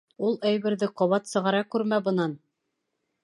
Ул әйберҙе ҡабат сығара күрмә бынан.